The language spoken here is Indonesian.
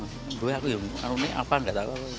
gue aku yang ngarum ini apa nggak tahu